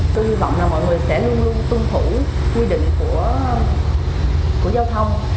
tôi hy vọng là mọi người sẽ luôn luôn tuân thủ quy định của giao thông